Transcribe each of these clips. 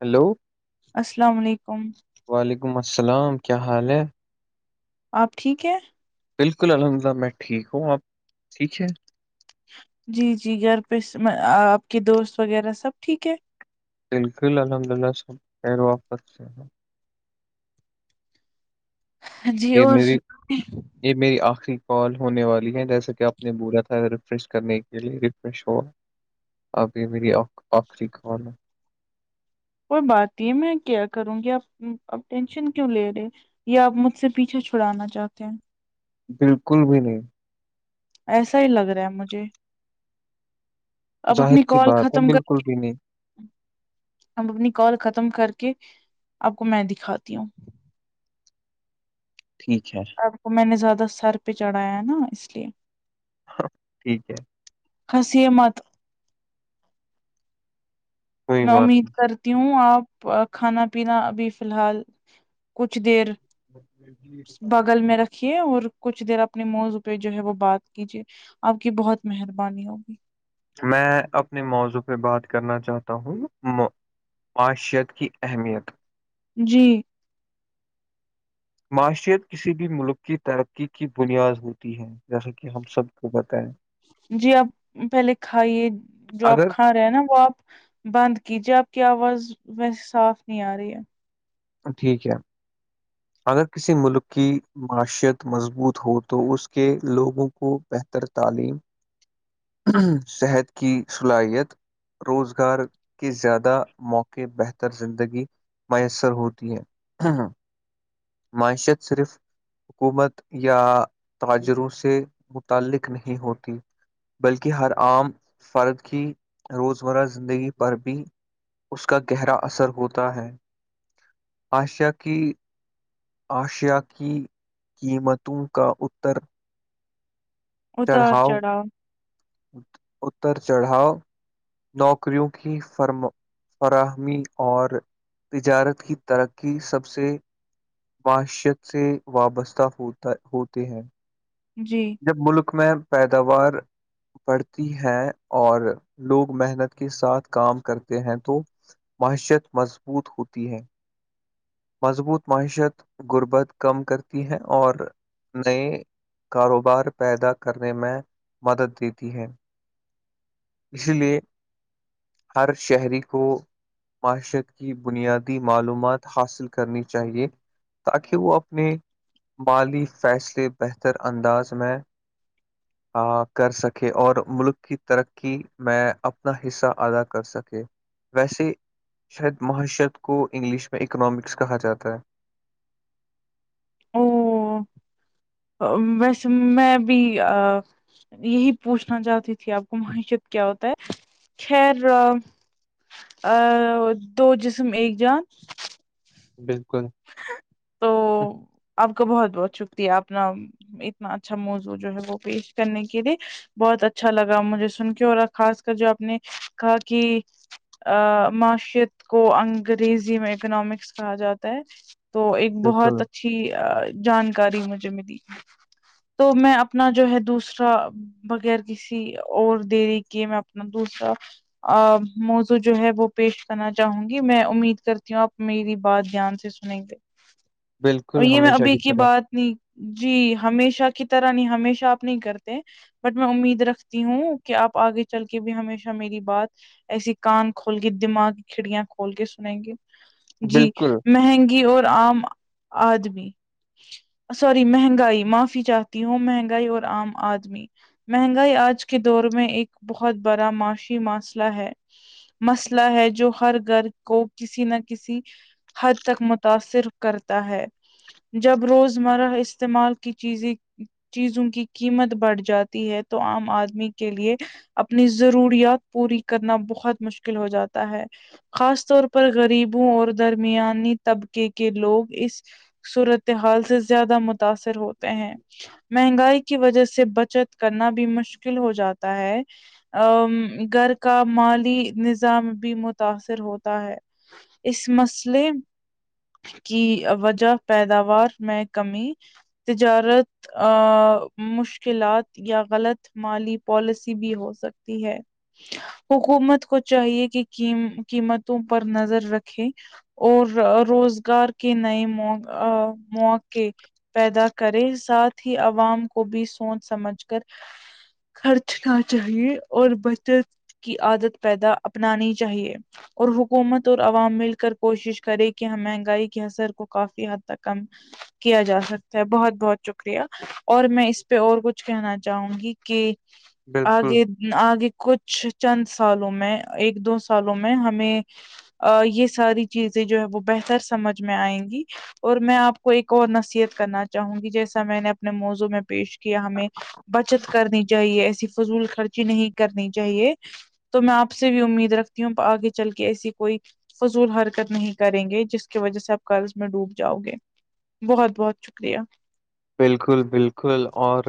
Hello السلام علیکم وعلیکم السلام کیا حال ہے آپ ٹھیک ہیں بالکل الحمدللہ میں ٹھیک ہوں آپ ٹھیک ہے جی جی گھر پہ آپ کے دوست وغیرہ سب ٹھیک ہے بالکل الحمد للہ سب خیر و آفت سے اں جی یہ اور میری سن [unintelligible] یہ میری آخری کال ہونے والی ہے جیسے کہ آپ نے بولا تھا ریفریش کرنے کے لیے ریفریش ہو اب یہ میری آخری کال ہے کوئی بات نہیں ہے میں کیا کروں گی آپ اب ٹینشن کیوں لے رہے یا آپ مجھ سے پیچھے چھڑانا چاہتے ہیں بالکل بھی نہیں ایسا ہی لگ رہا ہے مجھے اب اپنی ظاہر سی کال بات ہے ختم کر بالکل کے بھی نہیں اب اپنی کال ختم کر کے آپ کو میں دکھاتی ہوں ٹھیک ہے سب کو میں نے زیادہ سر پہ چڑھایا ہے نا اس لیے ہاں ٹھیک ہے ہنسیے مت کوئی میں بات امید کرتی ہوں آپ کھانا پینا ابھی فی الحال کچھ دیر نہیں بغل میں رکھی اور کچھ دیر اپنے موضوع پہ جو ہے وہ بات کیجیے آپ کی بہت مہربانی ہوگی میں اپنے موضوع پہ بات کرنا چاہتا ہوں مو پانچ شت کی اہمیت جی معیشت کسی بھی ملک کی ترقی کی بنیاد ہوتی ہے جیسا کہ ہم سب کو پتہ ہے جی آپ پہلے کھائیے جو آپ اگر کھا ہے نا وہ آپ بند کیجے آپ کی آواز ویسے صاف نہیں آ رہی ہے ٹھیک ہے اگر کسی ملک کی معیشت مضبوط ہو تو اس کے لوگوں کو بہتر تعلیم [inaudible] صحت کی صلاحیت روزگار کے زیادہ موقع بہتر زندگی میسر ہو تی ہے ہاں ہاں معیشت صرف حکومت یا تاجروں سے متعلق نہیں ہوتی بلکہ ہر عام فرد کی روزمرہ زندگی پر بھی اس کا گہرا اثر ہوتا ہے آشیا کی آشیا کی قیمتوں کا اتر چڑھاؤ اتر چڑھاؤ نوکریوں کی فرم فراہمی اور تجارت کی ترقی سب سے معشت سے وابستہ ہوتا ہوتے ہیں جی جب ملک میں پیداوار بڑتی ہیں اور لوگ محنت کے ساتھ کام کرتے ہیں تو معیشت مضبوط ہوتی ہے مضبوط معیشت غربت کم کرتی ہے اور نئے کاروبار پیدا کرنے میں مدد دیتی ہے اسی لیے ہر شہری کو معیشت کی بنیادی معلومات حاصل کرنی چاہیے تاکہ وہ اپنے مالی فیصلے بہتر انداز میں آ کر سکے اور ملک کی ترق قی میں اپنا حصہ ادا کر سکے ویسے شاید معاشت کو انگلش میں اکنامکس کہا جاتا ہے او ویسے میں میں بھی آ یہی پوچھنا چاہتی تھی آپ کو معیشت کیا ہوتا ہے خیر آ دو جسم ایک جان بالکل تو آپ کا بہت بہت شکریہ اپنا اتنا اچھا موضوع جو ہے وہ پیش کرنے کے لیے بہت اچھا لگا مجھے سن کے اور خاص کر جو آپ نے کہا کہ ا معیشت کو انگریزی میں اکنامکس کہا جاتا ہے تو ایک بہت بالکل اچھی جانکاری مجھے ملی تو میں اپنا جو ہے دوسرا بغیر کسی اور دیری کی میں اپنا دوسرا ا موضوع جو ہے وہ پیش کرنا چاہوں گی میں امید کرتی ہوں آپ میری بات دھیان سے نہیں تے اور بالکل یہ میں ہمیشہ ابھی کی طرح بات نہیں جی ہمیشہ کی طرح نہیں ہمیشہ آپ نہیں کرتے بٹ میں امید رکھتی ہوں کہ آپ آگے چل کے بھی ہمیشہ میری بات ایسی کان کھول کے دماغ کھڑیاں کھول کے سنیں گے جی بالکل مہنگی کی اور عام آدمی سوری مہنگائی معافی چاہتی ہوں مہنگائی اور عام آدمی مہنگائی آج کے دور میں ایک بہت بڑا معاشی مسئلہ ہے مسئلہ ہے جو ہر گھر کو کسی نہ کسی حد تک مب متاثر کرتا ہے جب روزمرہ استعمال کی چیزیں چیزوں کی قیمت بڑھ جاتی ہے تو عام آدمی کے لیے اپنی ضروریات پوری کرنا بہت مشکل ہو جاتا ہے خاص طور پر غریبوں اور درمیانی طبقے کے لوگ اس صورتحال سے زیادہ متاثر ہوتے ہیں مہنگائی کی وجہ سے بچت کرنا بھی مشکل ہو جاتا ہے آ گھر کا مالی نظام بھی متاثر ہوتا ہے اس مسلے کی وجہ پیداوار میں کمی تجارت آ مشکلات یا غلط مالی پالیسی بھی ہو سکتی ہے حکومت کو چاہیے کہ قیمت قیمتوں پر نظر رکھے اور روزگار کے نئے موق موقع پیدا کریں ساتھ ہی عوام کو بھی سوچ سمجھ کر خرچنا چاہیے اور بچت کی عادت پیدا اپنانی چاہیے اور حکومت اور عوام مل کر کوشش کرے کہ ہم مہنگائی کے اثر کو کافی حد تک کم کیا جا سکتا ہے بہت بہت شکریہ اور میں اس پہ اور کچھ کہنا چاہوں گی کہ بالکل آگے آگے کچھ چند سالوں میں ایک دو سالوں میں ہمیں آ یہ ساری چیزیں جو ہے وہ بہتر سمجھ میں آئیں گی اور میں آپ کو ایک اور نصیحت کرنا چاہوں گی جیسا میں نے اپنے موضوع میں پیش کیا ہمیں بچت کرنی چاہیے ایسی فضول خرچی نہیں کرنی چاہیے تو میں آپ سے بھی امید رکھتی ہوں آگے چل کے ایسی کوئی فضول ہر کت نہیں کریں گے جس کی وجہ سے آپ قرض میں ڈوب جاؤ گے بہت بہت شکریہ بالکل بالکل اور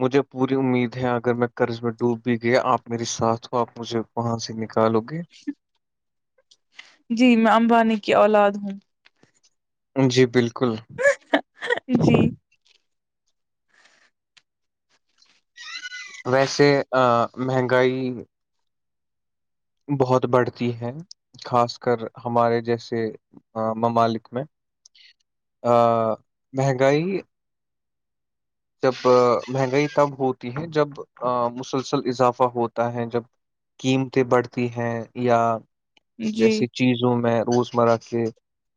مجھے پوری امید ہے اگر میں قرض میں ڈوب بھی گیا آپ میری ساتھ ہو آپ مجھے وہاں سے نکالو گے جی میں امبانی کی اولاد ہوں جی بالکل جی ویسے آ مہنگائی بہت بڑھتی ہے خاص کر ہمارے جیسے ممالک میں آ مہنگائی جب مہنگائی تب ہوتی ہے جب مسلسل اضافہ ہوتا ہے جب قیمتیں بڑھتی ہیں یا جی جیسےکہ چیزوں میں روزمرہ کے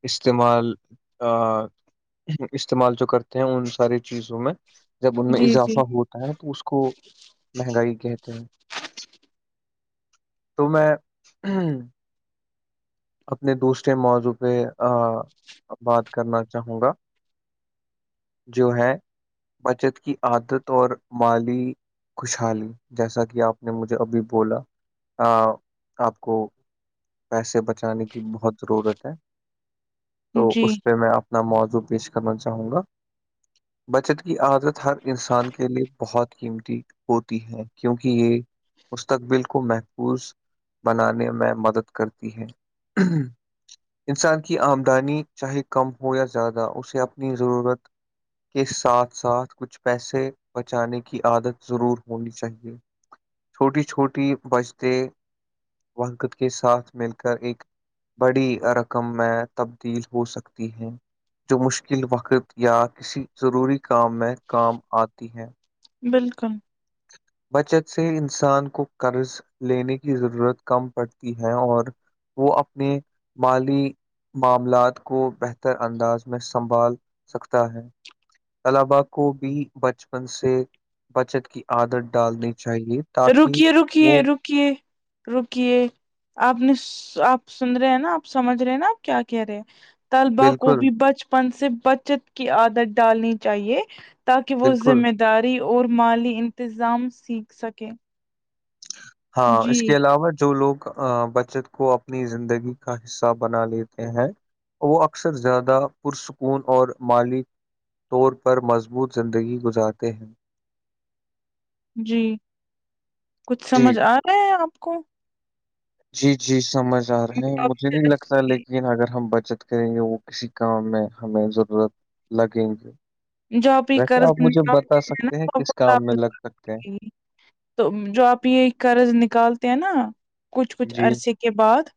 استعمال آ استعمال جو کرتے ہیں ان ساری چیزوں میں جب ان میں جی جی اضافہ ہوتا ہے تو اس کو مہنگائی کہتے ہیں تو میں اپنے دوسرے موضوع پہ آ بات کرنا چاہوں گا جو ہے بچت کی عادت اور مالی خوشحالی جیسا کہ آپ نے مجھے ابھی بولا آ آپ کو پیسے بچانے کی بہت ضرورت ہے تو جی اس پہ میں آپ میں موضوع پیش کرنا چاہوں گا بچت کی عادت ہر انسان کے لیے بہت قیمتی ہوتی ہے کیونکہ یہ مستقبل کو محفوظ بنانے میں مدد کرتی ہے انسان کی آمدنی چاہے کم ہو یا زیادہ اسے اپنی ضرورت کے ساتھ ساتھ کچھ پیسے بچانے کی عادت ضرور ہونی چاہیے چھوٹی چھوٹی بچتے ونگت کے ساتھ مل کر ایک بڑی رقم میں تبدیل ہو سکتی ہوں جو مشکل وقت یا کسی ضروری کام میں کام آتی ہے بالکل بچت سے انسان کو قرض لینے کی ضرورت کم پڑتی ہے اور وہ اپنے مالی معاملات کو بہتر انداز میں سنبھال سکتا ہے طلبہ کو بھی بچپن سے بچت کی عادت ڈالنی چاہیے تاکہ رکیے رکیے وہ رکیے رکیے آپ ن آپ سن رہے ہیں نا آپ سمجھ رہے نا آپ کیا کہہ رہے ہیں طلبا کو بالکل بھی بچپن سے بچت کی عادت ڈالنی چاہیے تاکہ وہ بالکل ذمہ داری اور مالی انتظام سیکھ سکے ہاں اس جی کے علاوہ جو لوگ بچت کو اپنی زندگی کا حصہ بنا لیتے ہیں وہ اکثر زیادہ پرسکون اور مالی طور پر مضبوط زندگی گزارتے ہیں جی کچھ جی سمجھ آ رہا ہے آپ کو جی جی سمجھ آ رہے ہیں مجھے نہیں لگتا لیکن اگر ہم بچت کریں گے وہ کسی کام میں ہمیں ضرورت لگیں گی جو اپ سکتے ہیں کس کام میں لگ سکتے ہیں [unintelligible] تو جو آپ یہ قرض نکالتے ہیں نا کچھ کچھ جی عرصے کے کے بعد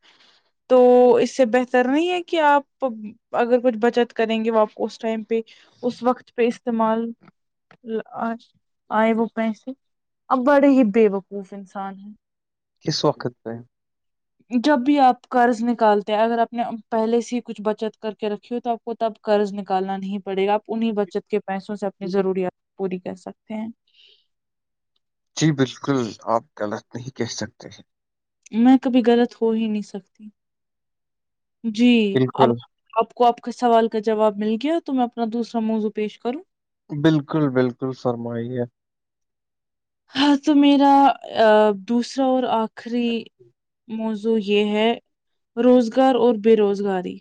تو اس سے بہتر نہیں ہے کہ آپ اگر کچھ بچت کریں گے وہ آپ اس ٹائم پہ اس وقت پہ استعمال ل ا آئے وہ پیسے اب بڑے ہی بے وقوف انسان ہیں کس وقت پہ جب بھی آپ قرض نکالتے ہیں اگر آپ نے پہلے سے ہی کچھ بچت کر کے رکھی ہو تو آپ کو تو تب قرض نکالنا نہیں پڑے گا آپ انہیں بچت کے پیسوں سے اپنی ضروریات پوری کر سکتے ہیں جی بالکل آپ غلط نہیں کہہ سکتے ہیں میں کبھی غلط ہو ہی نہیں سکتی جی اب بالکل آپ کو آپ کا سوال کا جواب مل گیا تو میں اپنا دوسرا موضوع پیش کروں بالکل بالکل فرمائیے ہاں تو میرا دوسرا اور آخری موضوع جو یہ ہے روزگار اور بے روزگاری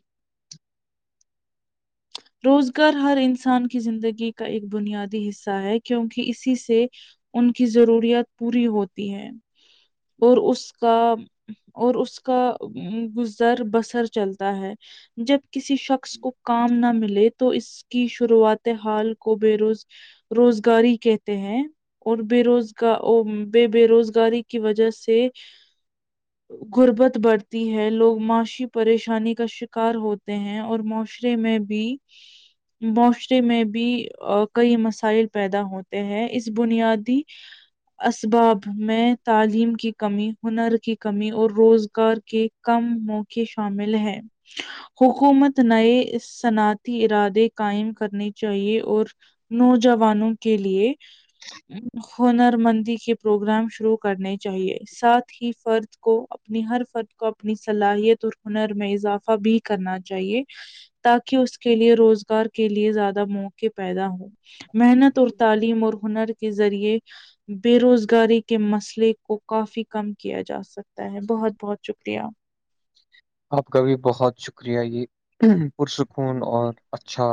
روزگار ہر انسان کی زندگی کا ایک بنیادی حصہ ہے کیونکہ اسی سے ان کی ضروریات پوری ہوتی ہے اور اس کا اور اس کا گزر بسر چلتا ہے جب کسی شخص کو کام نہ مل لے تو اس کی شروعات حال کو بے روز۔ روزگاری کہتے ہیں اور بے روزگار ا بے۔ بے روزگاری کی وجہ سے غربت بڑھتی ہے لوگ معاشی پریشانی کا شکار ہوتے ہیں اور معاشرے میں بھی [inaudible] معاشرے میں بھی کئی مسائل پیدا ہوتے ہیں اس بنیادی اسباب میں تعلیم کی کمی ہنر کی کمی اور روزگار کے کم موقعے شامل ہے حکومت نئے صنعت تی ارادے قائم کرنے چاہیے اور نوجوانوں کے لیے ہنر مندی کے پروگرام شروع کرنے چاہیے ساتھ ہی فرد کو اپنی ہر فرد کو اپنی صلاحیت اور ہنر میں اضافہ بھی کرنا چاہیے تاکہ اس کے لیے روزگار کے لیے زیادہ موقع پیدا ہوں محنت اور تعلیم اور ہنر کے ذریعے بے روزگاری کے مسئلے کو کافی کم کیا جا سکتا ہے بہت بہت شکریہ آپ کا بھی بہت شکریہ یہ ہن ہں پرسکون اور اچھا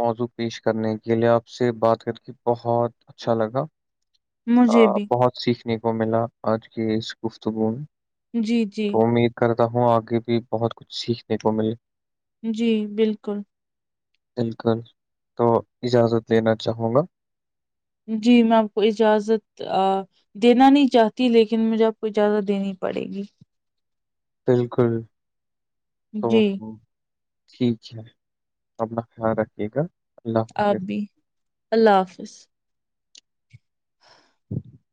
موضوع پیش کرنے کے لیے آپ سے بات کر کے بہت اچھا لگا مجھے بھی بہت سیکھنے کو ملا آج کی اس گفتگو میں جی جی تو امید کرتا ہوں آگے بھی بہت کچھ سیکھنے کو ملے جی بالکل بالکل تو اجازت لینا چاہوں گا جی میں آپ کو اجازت آ دینا نہیں چاہتی لیکن مجھے آپ اجازت دینی پڑے گی بالکل تو جی ٹھیک ہے اپنا خیال رکھیے گا اللہ آپ حافظ بھی اللہ حافظ [inaudible]